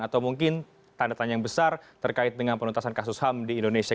atau mungkin tanda tanya yang besar terkait dengan penuntasan kasus ham di indonesia